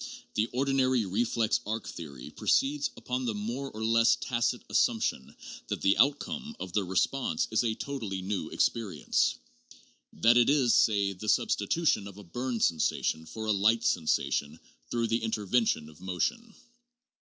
The ordinary re flex arc theory proceeds upon the more or less tacit assumption that the outcome of the response is a totally new experience ; that it is, say, the substitution of a burn sensation for a light sensation through the intervention of motion.